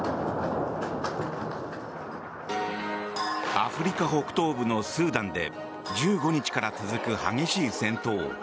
アフリカ北東部のスーダンで１５日から続く激しい戦闘。